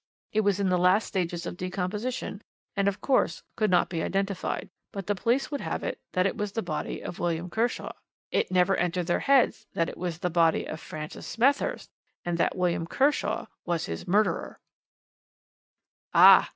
It was in the last stages of decomposition, and, of course, could not be identified; but the police would have it that it was the body of William Kershaw. "It never entered their heads that it was the body of Francis Smethurst, and that William Kershaw was his murderer. "Ah!